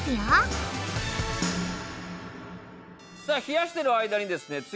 さあ冷やしてる間にですね